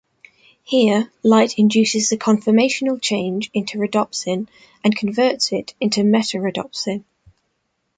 Here, light induces the conformational change into Rhodopsin and converts it into meta-rhodopsin.